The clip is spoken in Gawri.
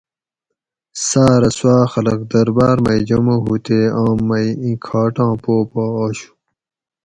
سارہ سوا خلق درباۤر مئی جمع ہو تے آم مئی ایں کھاٹاں پو پا آشو